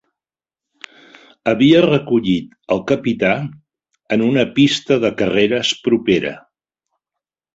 Havia recollit el capità en una pista de carreres propera.